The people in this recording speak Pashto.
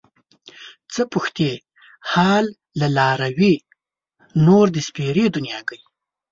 څه پوښتې حال له لاروي نور د سپېرې دنياګۍ